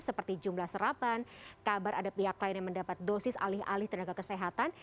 seperti jumlah serapan kabar ada pihak lain yang mendapat dosis alih alih tenaga kesehatan